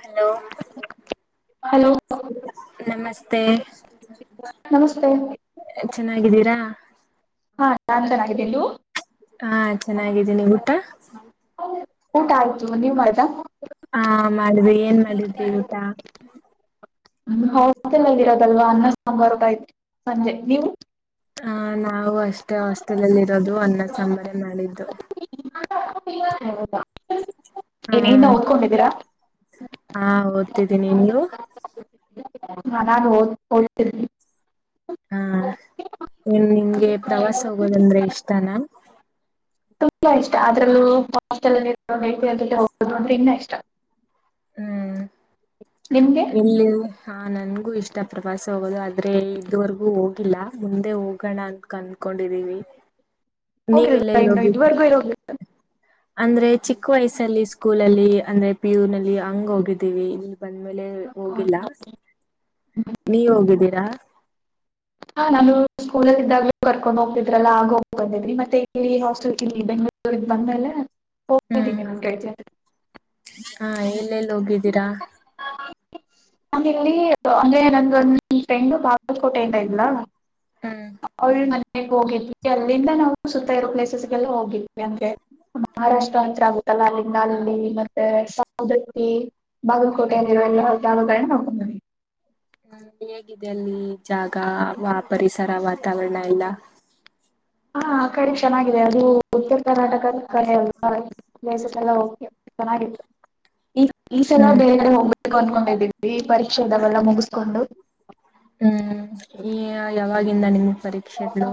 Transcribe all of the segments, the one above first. Hello hello ನಮಸ್ತೆ ನಮಸ್ತೆ ಚೆನ್ನಾಗಿದ್ದೀರಾ ಹಾ ನಾನ್ ಚೆನ್ನಾಗಿದ್ದೀವು ಹಾ ಚೆನ್ನಾಗಿದ್ದೀನಿ ಊಟ ಊಟ ಆಯ್ತು ನೀವ ಮಾಡ್ದ ಹಾ ಮಾಡ್ವಿ ಏನ್ ಮಾಡಿದ್ರಿ ಊಟ ಹೋಟೆಲ್ಲ್ಲಿ ಇರೋದಲ್ವಾ ಅನ್ನ ಸಾಂಬಾರುಯು ಸಂಜೆ ನೀವು ಹ ನಾವು ಅಷ್ಟೇ ಹಾಸ್ಟೆಲ್ ಅಲ್ಲಿ ಇರೋದು ಅನ್ನ ಸಂಂಬರೆ ಮಾಡಿದ್ದು ಹೌದಾ ಹ ಏ ಇನ್ನ ಓದ್ಕೊಂಡಿದ್ದೀರಾ ಹಾ ಓದ್ತಿದ್ದೀನಿ ನೀವು. ಮನ ಹ ಹತ. ಹಾ ನೀಏನ್ ನಿಮ್ಗೆ ಪ್ರವಾಸ ಹೋಗೋದಂದ್ರೆ ಇಷ್ಟನಾ. ತು ಇಷ್ಟ ಅದ್ರಲ್ಲೂ ಹಸ್ಟೆಲ್ಲ್ಲಿ ಹೋಗೋುದು ಅಂದ್ರೆ ಇನ್ನ ಇಷ್ಟ ಹ್ಮ್ ನಿಮ್ಗೆ ಎಲ್ಲ ಹಾ ನನ್ಗೂ ಇಷ್ಟ ಪ್ರವಾಸ ಹೋಗೋದು ಆದ್ರೆ ಇದುವರೆಗೂ ಹೋಗಿಲ್ಲ ಮುಂದೆ ಹೋಗೋಣ ಅಂತ ಕನ್ ಕೊಂಡಿದ್ದೀವಿ ಹೋಗಿಲ್ವಾ ನೀವೆಲ್ಲೆಲ್ಲಿ ಇನ್ನು ಹೋಗಿದ್ದ ಇದುವರೆಗೂ ಹೋಗಿಲ್ಲ ಅಂದ್ರೆ ಚಿಕ್ಕ ವಯಸ್ಸಲ್ಲಿ ಸ್ಕೂಲ ಅಲ್ಲಿ ಅಂದ್ರೆ ಪ ಯು ನಲ್ಲಿ ಹಂಗ ಹೋಗಿದ್ದೀವಿ ಇ ಬಂದ್ಮೇಲೆ ಹೋಗಿಲ್ಲ. ನೀವ ಹೋಗಿದ್ದೀರಾ. ಹಾ ನಾನು ಸ್ಕೂಲಲ್ಲಿ ಇದ್ದಾಗಲೂ ಕರ್ಕೊಂಡ್ ಹೋಗ್ತಿದ್ರಲ್ಲಾ ಆಗ ಹೋಗ್ಕತಿದ್ರಿ ಮತ್ತೆ ಇ ಹಾಸ್ಟೆಲ್ ಇಲ್ಲಿ ಬೆಂಗಳೂರಿ. ಬಂದ ಮೇಲೆ ಹೋಗಿದ್ದೀನಿ [unintelligible] ಹಾ ಎಲ್ಲೆಲ್ಲಿ ಹೋಗಿದ್ದೀರಾ. ನ ಇಲ್ಲಿ ಅಂದೆ ನಂದು ಫ್ರೆಂಡ್ ಬಾಗಲಕೋಟೆಯಿಂದ ಇಲ. ಅವಳ್ ಮ ಹ ಹೋಗಿದ್ವಿ ಅಲ್ಲಿಂದ ನಾವು ಸುತ್ತ ಇರೋ ಪ್ಲೇಸಸ್ಗೆಲ್ಲ ಹೋಗಿದ್ವಿ ಅಂಗೆ. ಮಹಾರಾಷ್ಟ್ರ ಅಂತ್ ಆಗುತ್ತಲ್ಲ ಅಲ್ಲಿಂಗ ಅಲ್ಲಿ ಮತ್ತೆ ಸೌದಕ್ಕಿ. ಬಾಗಲ್ಕೋಟೆ ಅಂದ ಎಲ್ಲಾಮಗಳ ನೋಡ್ ಕೊಂಡು ಬಂದಿದ್ವಿ. ಹ ಹೇಗಿದೆ ಅಲ್ಲಿ ಜಾಗ ಪರಿಸರ ವಾತಾವರಣ ಇಲ್ಲ. [inaudible] ಹಾ ಆ ಕಡೆ ಚೆನ್ನಾಗಿದೆ ಅದು ಉತ್ತರ ಕರ್ನಾಟಕದ ಕಡೆ ಅಲ್ವಾ. ಲ ಚೆನ್ನಾಗಿತ್ತು ಈ ಈ ಸಲ ಹ್ಮ್ ಬೇರೆ ಕಡೆ ಹೋಗ. ಕೊಂಡ್ಕೊಂಡಿದ್ದೀವಿ ಪರೀಕ್ಷೆದಾವೆಲ್ಲ ಮುಗಿಸ್ಕೊಂಡು [inaudible] ಹ್ಮ್ ಈ ಯಾವಾಗಿಂದ ನಿಮಗ್ ಪರೀಕ್ಷೆಗಳು.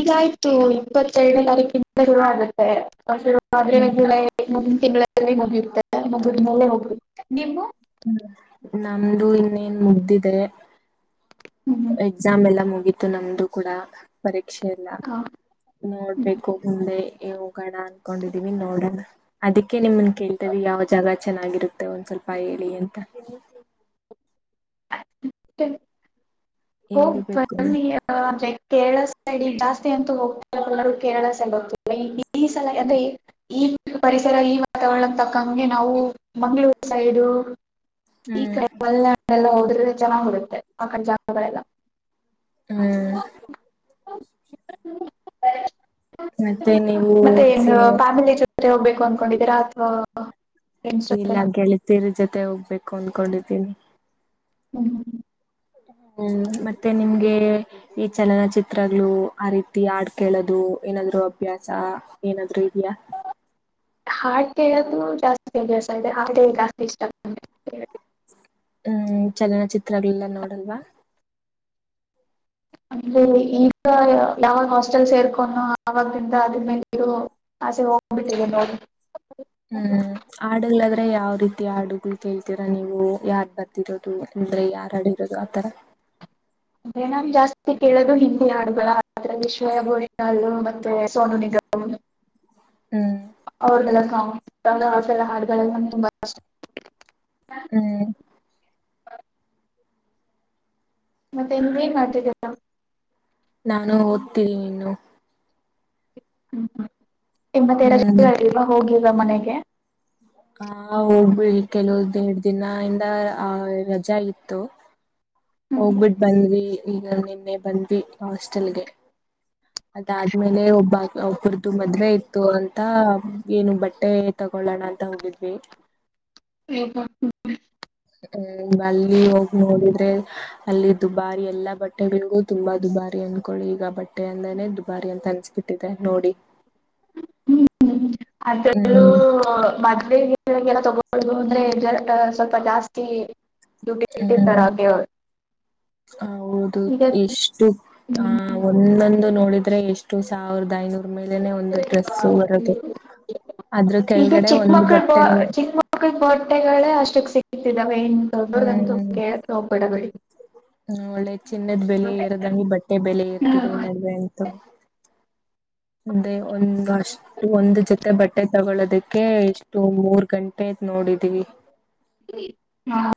ಈಗಾಯ್ತು ಇಪ್ಪತ್ತೆರಡನೇ ತಾರೀಕಿಂದ ಶುರುವ ಆಗುತ್ತೆ. ಆದ್ರೆ ಹ್ಮ್ ಜುಲೈ ಮುಂದಿನ ತಿಂಗಳಲ್ಲಿ ಮುಗಿಯುತ್ತೆ ಮುಗಿದ ಮೇಲೆ ಹೋಗುತ್ತ ನಿ. ಹ್ಮ ನಮ್ದು ಇನ್ನೇನ್ ಮುಗ್ದದೆ. ಎಕ್ಸಾಮ್ ಎಲ್ಲ ಮುಗಿತು ನಮ್ದು ಕೂಡ ಪರೀ. ಕ್ಷೆ ಎಲ್ಲ ನೋಡ್ಬೇಕು ಮುಂದೆ. ಹೋಗಣ ಅನ್ಕೊಂಡಿದೀವಿ ನೋಡೋಣ ಅದಕ್ಕೆ ನಿಮನ್ ಕೇಳ್ತೇವಿ ಯಾವ ಜಾಗ ಚೆನ್ನಾಗಿರುತ್ತೆ. ಮತ್ತೆ ಒಂದ್ ಸ್ವಲ್ಪ ಹೇಳಿ ಅಂತ. ಹೋಗಿ ಹೇಳ್ಬೇಕು ಬನ್ನಿ [unintelligible] ಕೇರಳ ಸೈಡ್ ಜಾಸ್ತಿ ಅಂತೂ ಹೋಗ್ತ ಕೇರಳ ಸೈಡ್ ಹೋಗ ಈ ಸಲ ಅಂದ್ರೆ ಈ. ಈ ಪರಿಸರ ಈ ವಾತಾವರಣ ತಕ್ಕಂಗೆ ನಾವು ಮಂಗ್ಗಳೂರು ಸೈಡು. ಹ್ಮ್ ಹೋದ್ರ ಚೆನ್ನಾಗಿ ಬಿಡುತ್ತೆ ಆ ಕ ಜಾಗ ಎಲ್ಲ. ಹ್ಮ್ ಮತ್ತೆ ನೀವು ಮತ್ತೆ ನ್ ಸಿನಿಮಾ ಫ್ಯಾಮಿಲಿ ಜೊತೆ ಹೋಗ್ಬೇಕು. ಅಂದಕೊಂಡಿದರಾ ಅಥವಾ. ಫ್ರೆಂಡ್ಸ್ ಇಲ್ಲ ಜೊತೆನಾ? ಗೆಳತೀರಿ ಜೊತೆ ಹೋಗ್ಬೇಕು ಅನ್ಕೊಂಡಿದ್ದೀನಿ. ಹ್ಮ ಹ್ಮ್ ಮತ್ತೆ ನಿಮ್ಗೆ ಈ ಚಲನಚಿತ್ರಗಳು ಆ ರೀತಿ ಆಡ್ ಕೇಳೋದು. ಏನಾದ್ರು ಅಭ್ಯಾಸ ಏನಾದ್ರು ಇದೆಯಾ. ಹಾಡ್ ಕೇಳೋದು ಜಾಸ್ತಿ ಕೆ ಇದೆ ಹ ಜಾಸ್ತಿ ಇಷ್ಟ ಆಗ್ತ. ಹ್ಮ್ ಚಲನಚಿತ್ರಗಳೆಲ್ಲ ನೋಡಲ್ವಾ. ಅಂದ್ರೆ ಈಗ ಯಾವಾಗ ಹಾಸ್ಟೆಲ್ ಸೇರ್ಕನೋ ಆವಗಲಿಂದ ಅದ್ರ್ಮೇಲೆ ಇ. ಹಸೆ ಹೋಗ್ಬಿಟ್ಟ್ರಿದೆ ನೋಡಿ. ಹ್ಮ್ ಆಡುಲ್ಲ. ಅಂದ್ರೆ ಯಾವ ರೀತಿ ಹಾಡುಗಳು ಕೇಳ್ತೀರಾ ನೀವು ಯಾರ್ ಬರ್ದಿರೋದು ಅಂದ್ರೆ ಯಾರ್ ಆಡಿರೋದು ಆತರ. [inaudible] ಅಂದೆ ನಾನ್ ಜಾಸ್ತಿ ಕೇಳೋದು ಹಿಂದಿ ಹಾಡುಗಳ ವಿಶ್ವಯ ಬೋ [unintelligible] ಸೋನು ನಿಗಮ ಹ್ಮ್ ಅವ ಗಲ್ಲ ಕಾಮ. ಸೆಲ್ಲ ಹಾಡುಗಳೆಲ್ಲ ತುಂಬಾ ಕಷ್ಟ. ಹ್ಮ್ ಮತ್ತೆ ಇಂಗೇನ್ ಮಾಡ್ತಿದ್ದಲ್ಲ. ನಾನು ಓದ್ತೀನಿ ನೀನ್ನು. ಹ್ಮ್ ಹ್ಮ್ ಇಮ್ಮತ್ತ ಎವ ಹೋಗಿವ ಮನೆಗೆ. ಹ ಹೋಗಬ ಕೆಲವು ದರಡ್ ದಿನಯಿಂದ ಆ ರಜೆ ಇತ್ತು. ಹ್ಮ್ ಹೋಗ್ಬಿಟ್ ಬಂದ್ವಿ ಈಗ ನಿನ್ನೆ ಬಂದ್ವಿ ಹಾಸ್ಟೆಲ್ಗೆ. ಅದಾದ್ಮೇಲೆ ಒಬ್ಬ ಒಬ್ಬರದು ಮದ್ವೆ ಇತ್ತು ಅಂತ ಏನು ಬಟ್ಟೆ ತ ತಗೊಳ್ಳೋಣ ಅಂತ ಹೋಗಿದ್ವಿ [unintelligible] ಹ ಅಲ್ಲಿ ಹೋಗಿ ನೋಡಿದ್ರೆ ಅಲ್ಲಿ ದುಬಾರಿ ಎಲ್ಲಾ ಬಟ್ಟೆಗಳಿನ್ ಗೂ ತುಂಬಾ ದುಬಾರಿ ಅಂದ್ಕೊಡಿ ಈಗ ಬಟ್ಟೆ ಅಂದನೇ ದುಬಾರಿ ಅಂತ ಅನ್ಚ್ಬಿಟ್ಟಿದೆ ನೋಡಿ ಹ್ಮ್ ಅದೇಲ್ಲ ತಗುದು ಅಂದ್ರೆ ಜ ಸ್ವಲ್ಪ ಜಾಸ್ತಿ [unintelligible] ಹ ಹೌದು ಈಗ ಎಷ್ಟು ಆ ಒಂದೊಂದು ನೋಡಿದ ಎಷ್ಟು ಸಾವಿರದ ಐನೂರ್ ಮೇಲನೆ ಒಂದು ಡ್ರೆಸ್ ಬರೋದು ಅದ್ರ ಈಗ ಕೆಳಗಡೆ ಚಿಕ್ಕ ಒಂದು ಮಕ್ಕಳ ಬ ಬಟ್ಟೆ ಬರ ಚಿಕ್ಕ ಮಕ್ಕಳ ಬರ್ಡೆಗಳೇ ಅಷ್ಟಕ್ ಸಿಗ್ ದೊಡ್ಡವರಿಗಂತೂ ಕೇಳಕ ಹೋಗಬೇಡಬಿಡಿ ಹ್ಮ ಒಳ್ಳೆ ಚಿನ್ನದ್ ಬೆಲೆ ಎರದಂಗೆ ಬಟ್ಟೆ ಬೆಲೆ ಎರ್ತಿದೆ ನಡ ಅಂತೂ [inaudible] ಅ ಒಂದು ಅಷ್ಟು ಒಂದು ಜೊತೆ ಬಟ್ಟೆ ತಗೊಳೋದಕ್ಕೆ ಇಷ್ಟು ಮೂರ್ ಗಂಟೆ ಆಯತ ನೋ ಹೊಡಿತೀವಿ ಹ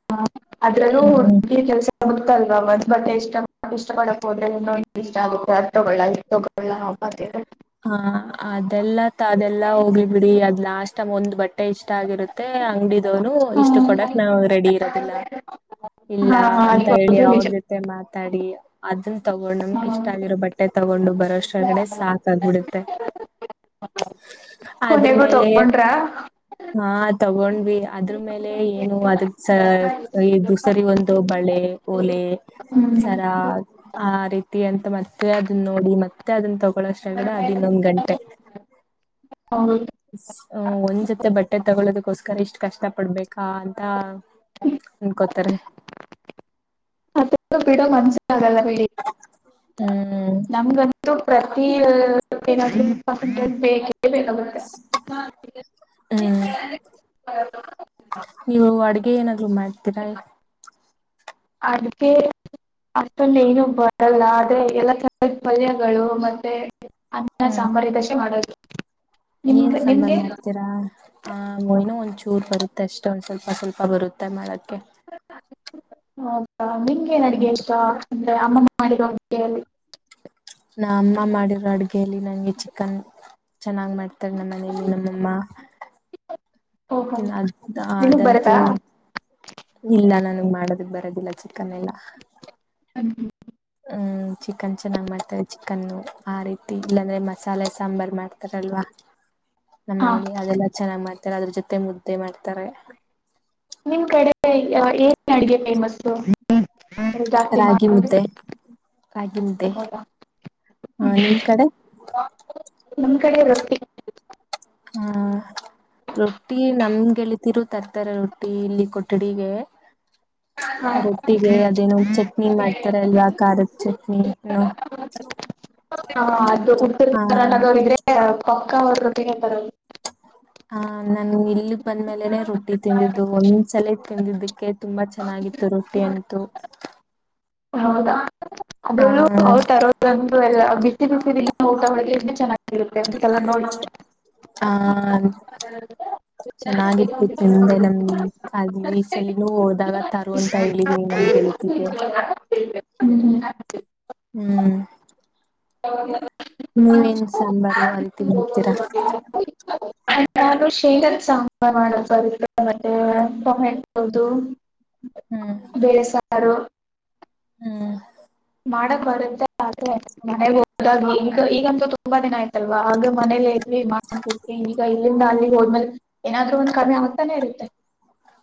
ಅದ್ರಲ್ಲೂ ಹ್ಮ್ ಹುಗಿ ಕೆಲ್ಸ ಮಾತಲ್ವಾ ಮ್ ಬಟ್ಟ ಎಷ್ಟ ಅ ಇಷ್ಟ ಪಡಕ್ ಹೋದ್ರೆ ಇನ್ನೊಂದು ಇಷ್ಟ ಆಗುತ್ತೆ ಅರ್ ತಗೊಳ್ಳ ತಗೊಳ್ಳ ಅಬ್ಬಾ ದೇವ್ರೆ. ಹಾ ಅದೆಲ್ಲ ಅದೆಲ್ಲಾ ಹೋಗ್ಲಿ ಬಿಡಿ ಅದ್ ಲಾಸ್ ಇ ಒಂದ್ ಬಟ್ಟೆ ಇಷ್ಟ ಆಗಿರುತ್ತೆ ಅಂಗಡಿದವನು ಇಷ್ಟು ಕೊಡಕ್ ನಾವ್ ರೆಡಿ ಇರೋದಿಲ್ಲಾ ಹಾ ಇಲ್ಲಾ ಹಾ ಅಂತ ಅದು ಹೇಳಿ ಅದು ಅವ್ರ ನಿಜ. ಜೊತೆ ಮಾತಾಡಿ ಅದನ್ ತೊಗೊಂಡು ನಮಗೆ ಇಷ್ಟ ಆಗಿರೋ ಬಟ್ಟೆ ತೊಗೊಂಡು ಬರ ಳಗಡೆ ಸಾಕಾಗಬಿಡುತ್ತೆ ಅದ್ರ ಕೊನೆಗೂ ಮೇಲೆ ತಗೊಂಡ್ರಾ? ಹಾ ತಗೊಂಡ್ವಿ ಅದ್ರ ಮೇಲೆ ಏನು ಅದಕ್ ಈ ಸರಿ ಹೋದೋ ಬಳೆ, ಓಲೆ, ಸರಾ ಹ್ಮ್ ಆ ರೀತಿ ಅಂತ ಮತ್ತೆ ಅದನ್ನ ನೋಡಿ ಮತ್ತೆ ಅದನ್ನ ತ ಳಷ್ಟ ಒಳಗಡೆ ಅದ ಇನ್ನೊಂದ್ ಗಂಟೆ ಹೌದು ಒಂದ್ ಜೊತೆ ಬಟ್ಟೆ ತಗೊಳ್ಳೋದಕ್ಕೋಸ್ಕರ ಇಷ್ಟ ಕಷ್ಟ ಪಡ್ಬೇಕಾ ಅಂತ ಅನ್ಕೋತಾರೆ ಅದ ಬಿಡೋ ಮನ್ಸ ಆಗಲ್ಲ ಬಿಡ ಹ್ಮ್ ನಮಗಂತೂ ಪ್ರತಿ ಹ್ಮ್ [unintelligible] [unintelligible] ನೀವು ಅಡಗೆ ಏನಾದ್ರು ಮಾಡ್ತೀರಾ ಅದಕ್ಕೆ ಅಷ್ಟೊಂದ ಏನು ಬರಲ್ಲಾ ಆದ್ರೆ ಎಲ್ಲಾ ಪಲ್ಯಗಳು ಮತ್ತೆ ಅನ್ನ ಹ್ಮ್ ಸಾಂಬಾರ್ ಇದಸೆ ಮಾಡೋದ ಏನ್ ಸಾಂಬಾರ್ ಮಾಡ್ತೀರಾ ಆ ಇನೋ ಒಂದ್ಚೂರ್ ಬಡ ತ್ತೆಷ್ಟೊಂದ್ ಸ್ವಲ್ಪ ಸ್ವಲ್ಪ ಬರುತ್ತೆ ಮಾಡಕ್ಕೆ ಹೌದಾ ನಿಂಗೆನ್ ಅಡಗೆ ಇಷ್ಟ ಅಂದ್ರೆ ಅಮ್ಮಮ್ಮ ಮಾಡಿರೋ ಅಡುಗೆಯಲ್ಲಿ ನಾ ಅಮ್ಮ ಮಾಡಿರೋ ಅಡ್ಗೆಯಲ್ಲಿ ನಂಗೆ ಚಿಕನ್ ಚೆನ್ನಾಗ್ ಮಾಡ್ತಾರ ನಮ್ಮನೇಲಿ ನಮ್ಮಮ್ಮ ಓಹೋ ನಿಮಗ್ ಅದಂತೂ ಬರತ್ತಾ ಇಲ್ಲ ನ ಮಾಡೋದ ಬರೋದಿಲ್ಲ ಚಿಕನ್ ಎಲ್ಲಾ ಹ ಹ್ಮ್ ಚಿಕನ್ ಚೆನ್ನಾಗಿ ಮಾಡ್ತಾರೆ ಚಿಕನ್ನು ಆ ರೀತಿ ಇಲ್ಲಾಂದ್ರೆ ಮಸಾಲೆ ಸಾಂಬಾರ್ ಮಾಡ್ತಾರೆ ತಲ್ವಾ ನಮ್ಮ ಹಾ ಮನಲಿ ಅದೆಲ್ಲ ಚೆನ್ನಾಗ್ ಮಾಡ್ತಾರೆ ಅದ್ರ ಜೊತೆ ಮುದ್ದೆ ಮತ್ತೆ ಮಾಡ್ತಾರೆ ಏ ಅಡಗೆ ಪೇಮಸ್ ರಾಗಿ ಮುದ್ದೆ ರಾಗಿ ಮುದ್ದೆ ಹಾ ನಿಮ್ ಕಡೆ ಹೌದಾ ನಮ್ ಕಡೆ ವತಿ. ಹಾ. ರೊಟ್ಟಿ ನಮ್ ಗೆಳತಿರು ತರ್ತಾರೆ ರೊಟ್ಟಿ ಇಲ್ಲಿ ಕೊಠಡಿಗೆ. ಹಾ ಆ ರೊಟ್ಟಿಗೆ ಅದೇನೋ ಚಟ್ನಿ ಮಾಡ್ತಾರ ಅಲ್ವಾ ಖಾರದ ಚಟ್ನಿನ್ನು. [unintelligible] ಆ ಅದು ಉತ್ತರ ಕರ್ನಾಟಕದವರು ಇದ್ರೆ ಪಕ್ಕ ಅವ್ರ್ ರೊಟ್ಟಿನೆ ತರೋದು. ಹಾ. ನಾನು ಇಲ್ಲಿ ಬಂದ್ಮೇಲೆನೆ ರೊಟ್ಟಿ ತಿಂದಿದ್ದು ಒಂದ್ಸಲ ತಿಂದಿದ್ದಕ್ಕೆ ತುಂಬಾ ಚೆನ್ನಾಗಿತ್ತು ರೊಟ್ಟಿ ಅಂ ತುಂ ಹೌದಾ. [inaudible] ಅದ್ರಲ್ಲೂ ಅವರು ತರೋದಂತು ಎಲ್ಲ ಬಿಸಿ ಬಿಸಿಲ್ಲ ಊಟ ಒಳಗೆ ಎಲ್ಲ ಚೆನ್ನಾಗಿರುತ್ತೆ ಇದೆಲ್ಲ ನೋಡುವಾಗ. ಹಾ ಚೆನ್ನಾಗಿತ್ತು [unintelligible] ಇನ್ನೂ ಹೋದಾಗ ತರು ಅಂತ ಹೇಳಿದೀನಿ ನಮ್ ಗೆಳತಿಗೆ. [inaudible] ಹ್ಮ್. ಹ್ಮ್. [inaudible] ನೀವೇನ್ ಸಾಂಬಾರು ಆ ರೀತಿ ಮಾಡ್ತೀರಾ ನಾನು ಶೇಂಗಾದ್ ಸಾಂಬಾರ್ ಮಾಡೋಣ ಅಂತ [unintelligible] ಮತ್ತೆ ಹ್ಮ್ [unintelligible] ಬೇಳೆ ಸಾರು. ಹ್ಮ್. ಮಾಡಕ್ ಬರುತ್ತೆ ಆದ್ರೆ ಮನೆ ಹೋದಗ ಈಗ ಈಗಂತು ತುಂಬಾ ದಿನ ಆಯ್ತಲ್ವಾ ಆಗ ಮನೇಲಿ ಮಾಡ್ ಬಿಟ್ಟಿ ಈಗ ಇಲ್ಲಿಂದ ಅಲ್ಲಿಗೆ ಹೋದ್ಮೇಲೆ ಏನಾದ್ರು ಒಂದ ಕಮ್ಮಿ ಆಗತಾನೆ ಇರುತ್ತೆ.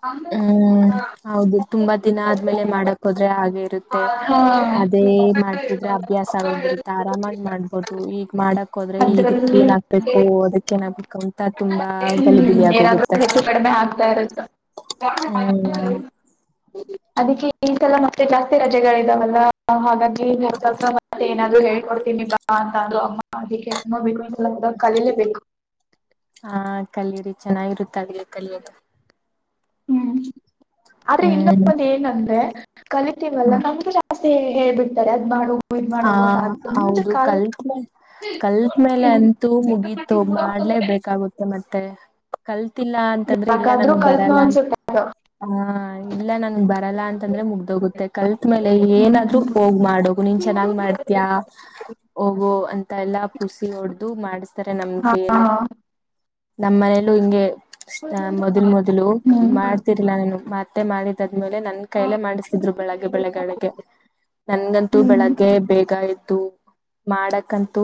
ಹಾ ಹ್ಮ್ ಹೌದು ತುಂಬಾ ದಿನ ಆದ್ಮೇಲೆ ಮಾಡಕ್ ಹೋದ್ರೆ ಹಾಗೆ ಇರುತ್ ತ್ತೆ ಅದೇ ಮಾಡ್ತಿದ್ರೆ ಅಭ್ಯಾಸ ಆಗೋಗಿರುತ್ತೆ ಆರಾಮಾಗಿ ಮಾಡ್ಬೋದು ಈಗ ಮಾಡಕ್ ಹೋ ದ್ರಲ್ಲಿ ಅದ್ರಲ್ಲಿ ಇದಕ್ಕ ಏನ್ ಹಾಕ್ಬೇಕು ಅದಕ್ಕ ಏನ್ ಹಾಕ್ಬೇಕು ಅಂತ ತುಂಬಾ ಗಲಿಬಿಲಿ ಹ್ಮ್ ಏನಾದ್ರೂ ಆಗೋಗುತ್ತೆ. ಹೆಚ್ಚು [inaudible] ಹ್ಮ್ ಅದಕ್ಕೆ [unintelligible] ಜಾಸ್ತಿ ರಜೆಗಳಿದಾವಲ್ಲ ಹಾಗಾಗಿಲ್ ಮನೆ ಕೆಲ್ಸ ಮತ್ತೆ ಏನಾದ್ರು ಹೇ ಕೊಡ್ತೀನಿ ಬಾ ಅಂತ ಅಂದ್ರು ಅಮ್ಮ ಅದಕ್ಕೆ ನೋಡ್ಬೇಕು ಈ ಸಲ ಹೋದಾಗ ಕಲೀಲೇಬೇಕು. ಹಾ ಕಲಿಯರಿ ಚೆನ್ನಾಗಿರುತ್ತ ಅಡುಗೆ ಕಲಿಯೋದು. ಹ್ಮ್ ಆದ್ರೆ ಇನ್ನೊ ಹ್ಮ್ ಒಂದ ಏನಂದ್ರೆ ಕಲಿತೀವಲ್ಲ ನಮ್ಗೆ ಜಾ ತ್ತೆ ಹೇಳ್ಬಿಡ್ತಾರೆ ಅದ್ ಮಾಡ್ ಹೋ ಹಾ ಹೌದು ಕಲ್ತ್ ಮೇ ಕಲ್ತ್ ಮೇಲೆ ಅಂತೂ ಮುಗೀತು ಮಾಡ್ ಲೇ ಬೇಕಾಗುತ್ತೆ ಮತ್ತೆ ತ್ತಿಲ್ಲಾ ಅಂತಂದ್ರೆ ಇಲ್ಲ ಯಾಕಾದ್ರೂ ನನಗ್ ಕಲ್ತ್ನೋ ಬರಲ್ಲ ಅಂತ. ಅನ್ಸುತ್ತೆ ಅದು ಹ ಇಲ್ಲ ನನಗ್ ಬರಲ್ಲ ಅಂತಂದ್ರೆ ಮುಗ್ದೋಗುತ್ತೆ ಕಲ್ತ್ ಮೇಲೆ ಏನಾದ್ರು ಹೋಗ್ ಮಾಡೋಗು ನಿ ಚೆನ್ನಾಗ್ ಹ್ಮ್. ಮಾಡ್ತೀಯಾ ಹೋಗು ಅಂತ ಎಲ್ಲ ಪೂಸಿ ಹೊಡ್ದು ಮಾಡಿಸತಾರೆ ನಮ್ ಹಾ ಕೈಯಲ್ಲೇ ನಮ್ಮನೇಲ್ಲೂ ಹಿಂಗೆ. ಅ ಮೊದ್ಲು ಮೊದ್ಲು ಹ್ಮ್ ಮಾಡ್ತಿರ್ಲ ನಾನು ಮತ್ತೆ ಮಾಡಿದ ಮೇಲೆ ನನ್ ಕೈಲೆೇ ಮಾಡಿಸಿದ್ರು ಬೆಳಗ್ಗೆ ಬೆಳಗ್ಗೆ ಅಡುಗೆ ನನ್ಗಂತೂ ಬೆಳ ಹ್ಮ್ ಬೇಗ ಎದ್ದು ಮಾಡಕಂತೂ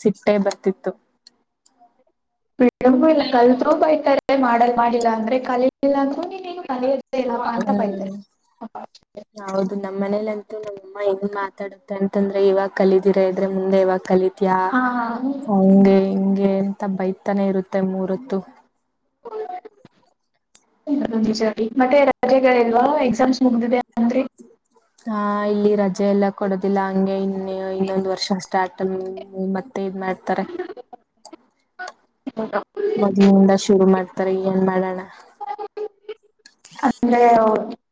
ಸಿಟ್ಟೇ ಬರ್ತಿತ್ತು. [inaudible] ಇಲ್ಲ ಕಲ್ರು ಬೈತಾರೆ ಮಾಡಲ್ ಮಾಡಿಲ್ಲ ಅಂದ್ರೆ ಕಲಿಲ್ಲ ಅಂದ್ರೂ ನೀನೇನು ಕಲಿ ಹ್ಮ್ ಹೌದು ನಮ್ಮ್ ಮನೇಲಂತೂ ನಮ್ಮಮ್ಮ ಹೆಂಗ್ ಮಾ ತಾಡುತ್ತೆ ಅಂತಂದ್ರೆ ಇವಾಗ ಕಲಿದೀರಾ ಇದ್ರೆ ಮುಂದೆ ಯಾವಾಗ್ ಕಲಿತಿಯಾ ಹಾ ಹಂಗೆ ಹಿಂ ಗೆ ಅಂತ ಬೈತಾನೆ ಇರುತ್ತೆ ಮೂರೊತ್ತು. [inaudible] [inaudible] ಮತ್ತೆ ರಜೆಗಳಿಲ್ವಾ ಎಕ್ಸಾಮ್ಸ್ ಮುಗ್ದಿದೆ ಅಂದ್ರಿ. ಹಾ ಇಲ್ಲಿ ರ ಜೆ ಎಲ್ಲ ಕೊಡೋದಿಲ್ಲ ಹಂಗೆ ಇನ್ನೊಂದ್ ವರ್ಷ ಸ್ಟಾರ್ಟ್ ಮತ್ತೆ ಇದ್ ಮಾಡ್ತಾರೆ. [inaudible] ಮೊದ್ಲಿಂದ ಶುರು ಮಾಡ್ತಾರ ಏನ್ ಮಾಡಣ.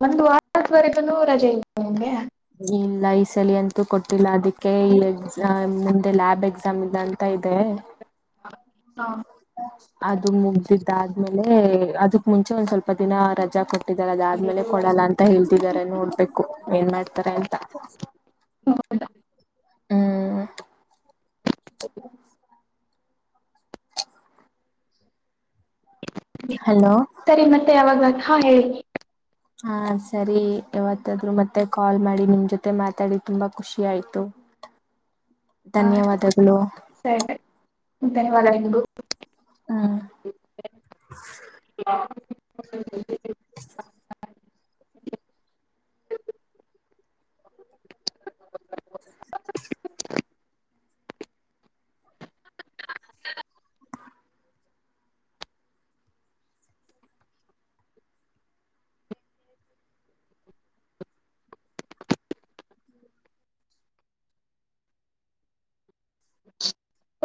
ಮತ್ತ ವಾರವರೆಗೂ ರಜೆ ಇ ನಮಗೆ ಇಲ್ಲ ಈ ಸಲಿಿ ಅಂತ ಕೊಟ್ಟಿಲ್ಲ ಅದಕ್ಕೆ ಇಲ್ಲಿ ಎಕ್ಸ ಮುಂದೆ ಲ್ಯಾಬ್ ಎಕ್ಸಾಮ್ ಇದೆ ಅಂತ ಇದೆ ಹ ಹಾ. ಅದು ಮುಗ್ದಿದ್ದಾದ್ಮೇಲೆ ಅದಕ್ ಮುಂಚೆ ಒಂದ್ ಸ್ವಲ್ಪ ದಿನ ರಜಾ ಕೊಟ್ಟ ಕೊಟ್ಟಾರ ಅದಾದ್ಮೇಲೆ ಕೊಡಲ್ಲ ಅಂತ ಹೇಳ್ತಿದಿದ್ದಾರೆ ನೋಡ್ಬೇಕು ಏನ್ ಮಾಡ್ತಾರೆ ಅಂತ ಹೌ ಹ್ಮ್ ಹ ಹಲೋ ಸರಿ ಮತ್ತೆ ಅವಾಗ ಹಾ ಹೇಳಿ ಹಾ ಸರಿ ಯವತ್ತಾದ್ರು ಮತ್ತೆ ಕಾಲ್ ಮಾಡಿ ನಿಮ್ ಜೊತೆ ಮಾತಾಡಿ ತುಂಬಾ ಖುಷಿ ಆಯ್ತು ಹಾ ಧನ್ಯವಾದಗಳು ಸರಿ ಧನ್ಯವಾದ ನಿು ಹ್ಮ ಇ [inaudible]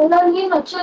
ಎಲ್ಲ ನೀ ಲಕ್ಷ